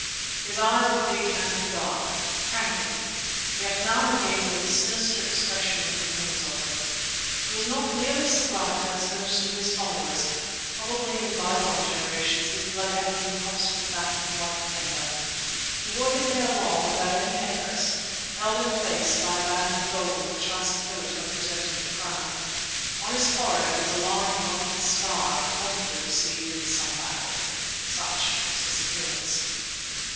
His eyes were big and dark, frank looking, yet now and again with sinister expression in the corners of them. He was not nearly so black as most of his followers; probably in bygone generations his blood had been crossed with that of the White Kendah. He wore his hair long without any head dress, held in place by a band of gold which I suppose represented a crown. On his forehead was a large white scar, probably received in some battle. Such was his appearance.